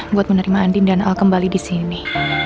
buat menerima andi dan al kembali disini